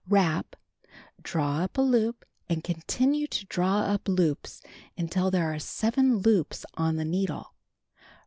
Wrap; ch'aw up a loop and continue to draw up loops until there are 7 loops on the needle.